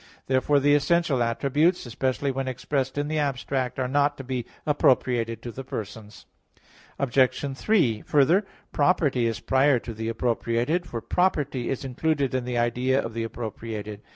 Therefore the essential attributes, especially when expressed in the abstract, are not to be appropriated to the persons. Obj. 3: Further, property is prior to the appropriated, for property is included in the idea of the appropriated.